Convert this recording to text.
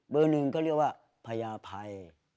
เบอร์หนึ่งก็เรียกว่าพญาไพร